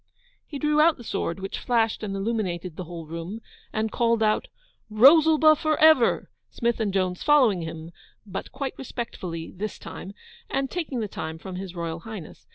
He drew out the sword, which flashed and illuminated the whole room, and called out 'Rosalba for ever!' Smith and Jones following him, but quite respectfully this time, and taking the time from His Royal Highness.